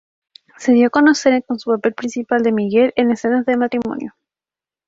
Se dio a conocer con su papel principal de Miguel en "Escenas de matrimonio".